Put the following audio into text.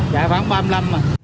dạ khoảng ba mươi năm mà